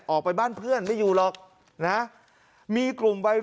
ออกไปบ้านเพื่อนไม่อยู่หรอกนะ